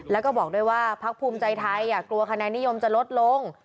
แล้วก็บอกด้วยว่าพักภูมิใจไทยกลัวคะแนนนิยมจะลดลง